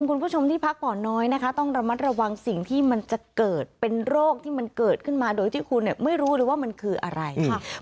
คุณผู้ชมที่พักผ่อนน้อยนะคะต้องระมัดระวังสิ่งที่มันจะเกิดเป็นโรคที่มันเกิดขึ้นมาโดยที่คุณเนี่ยไม่รู้เลยว่ามันคืออะไรค่ะ